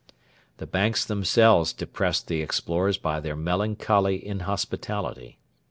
The banks themselves depressed the explorers by their melancholy inhospitality.